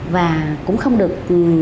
và cũng không được